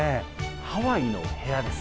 ハワイの部屋です。